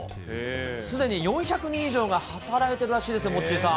すでに４００人以上が働いているらしいですよ、モッチーさん。